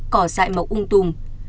cỏ dại mộc ung tùm